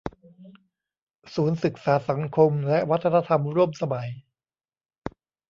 ศูนย์ศึกษาสังคมและวัฒนธรรมร่วมสมัย